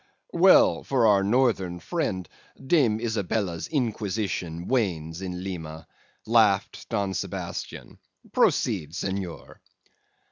"'Well for our northern friend, Dame Isabella's Inquisition wanes in Lima,' laughed Don Sebastian. 'Proceed, Senor.